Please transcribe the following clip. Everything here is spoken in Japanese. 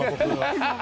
ハハハハ！